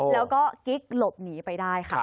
แล้วก็กิ๊กหลบหนีไปได้ค่ะ